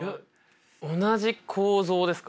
同じ構造ですか？